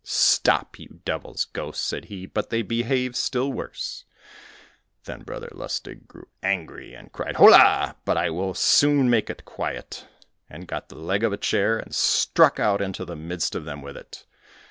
"Stop, you devils' ghosts," said he, but they behaved still worse. Then Brother Lustig grew angry, and cried, "Hola! but I will soon make it quiet," and got the leg of a chair and struck out into the midst of them with it.